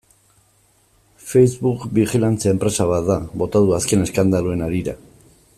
Facebook bijilantzia enpresa bat da, bota du azken eskandaluen harira.